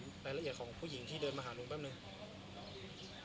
รายละเอียดของผู้หญิงที่เดินมาหาลุงแป๊บหนึ่ง